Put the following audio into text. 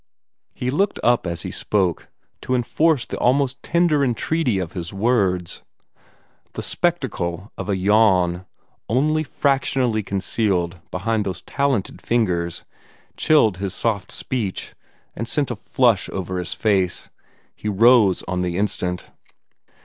He looked up as he spoke, to enforce the almost tender entreaty of his words. The spectacle of a yawn, only fractionally concealed behind those talented fingers, chilled his soft speech, and sent a flush over his face. He rose on the instant.